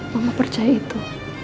mama percaya itu